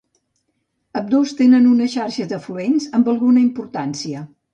Ambdós tenen una xarxa d'afluents amb alguna importància.